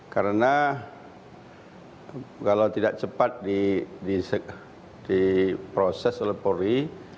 karena kalau tidak cepat di proses oleh polri